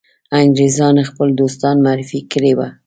انګرېزان خپل دوستان معرفي کړي وه.